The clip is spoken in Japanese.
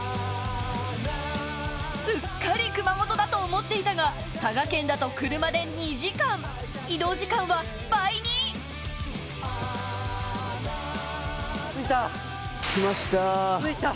すっかり熊本だと思っていたが佐賀県だと車で２時間移動時間は倍に着いた。